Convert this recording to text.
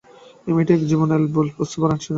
এই মেয়েটি কীভাবে এল বুঝতে পারছিনা।